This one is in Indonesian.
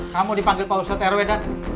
kamu dipanggil pak ustadz rw dan